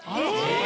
え？